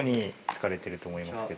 疲れていると思いますが。